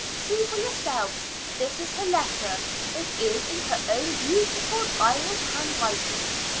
See for yourselves; this is her letter. It is in her own beautiful Irish, handwriting.